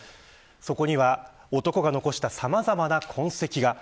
そこには男が残したさまざまな痕跡が。